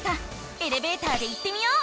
エレベーターで行ってみよう！